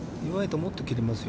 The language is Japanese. もっと切れますよ。